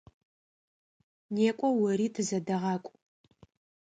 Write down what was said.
Некӏо ори, тызэдэгъакӏу!